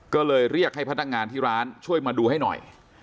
ก็เลยเรียกให้พนักงานที่ร้านช่วยมาดูให้หน่อย